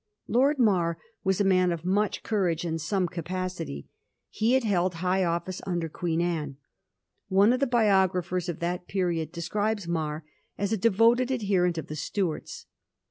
Lord Mar was a man of much courage and some capacity. He had held high office under Queen Anne. One of the biographers of that period •describes Mar as a devoted adherent of the Stuarts.